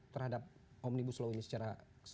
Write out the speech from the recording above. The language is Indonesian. terhadap omnibus law ini secara